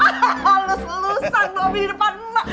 aduh ales elusan bobi di depan ma